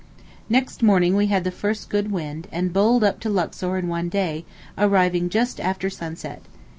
Next morning we had the first good wind, and bowled up to Luxor in one day, arriving just after sunset.